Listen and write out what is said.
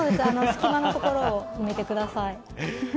隙間のところを埋めてください。